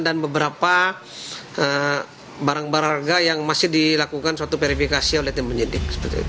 dan beberapa barang barang yang masih dilakukan suatu verifikasi oleh tim penyidik